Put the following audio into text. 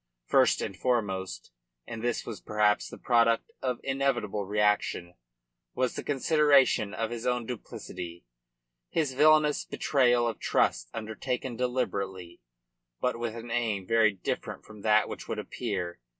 First and foremost and this was perhaps the product of inevitable reaction was the consideration of his own duplicity, his villainous betrayal of trust undertaken deliberately, but with an aim very different from that which would appear.